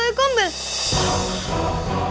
ya udah li sekarang juga